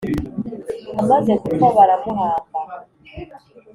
amaze gupfa baramuhamba